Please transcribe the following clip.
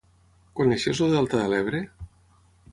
Coneixes el delta de l'Ebre?